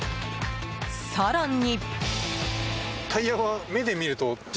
更に。